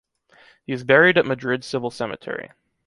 He is buried at Madrid Civil Cemetery.